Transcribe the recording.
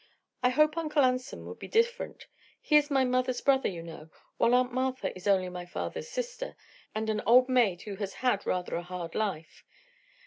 I hope Uncle Anson will be different. He is my mother's brother, you know, while Aunt Martha is only my father's sister, and an old maid who has had rather a hard life.